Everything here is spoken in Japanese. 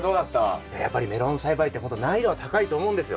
やっぱりメロン栽培って本当難易度は高いと思うんですよ。